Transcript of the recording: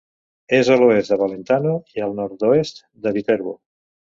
És a l'oest de Valentano i al nord-oest de Viterbo.